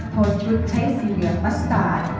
โทนชุดใช้สีเหลือปัสตาร์ด